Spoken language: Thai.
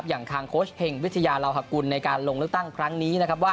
อย่างทางโค้ชเฮงวิทยาลาวหกุลในการลงเลือกตั้งครั้งนี้นะครับว่า